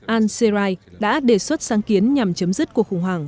an serai đã đề xuất sáng kiến nhằm chấm dứt cuộc khủng hoảng